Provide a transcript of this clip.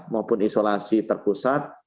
maupun isolasi terpusat